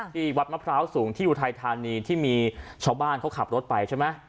ที่วัดมะพร้าวสูงที่อุทัยธานีที่มีชาวบ้านเขาขับรถไปใช่ไหม